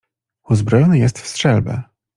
"Uzbrojony jest w strzelbę."